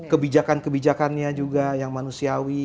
kebijakan kebijakannya juga yang manusiawi